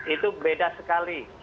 itu beda sekali